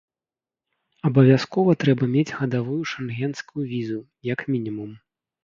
Абавязкова трэба мець гадавую шэнгенскую візу, як мінімум.